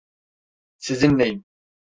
Sizinleyim.